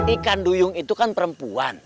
ikan duyung itu kan perempuan